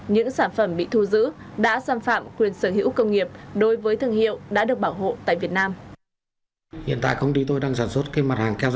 những sản phẩm bị thu giữ đã xâm phạm quyền sở hữu công nghiệp đối với thương hiệu đã được bảo hộ tại việt nam